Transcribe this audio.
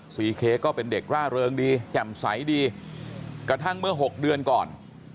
ซีเค้กก็เป็นเด็กร่าเริงดีแจ่มใสดีกระทั่งเมื่อ๖เดือนก่อน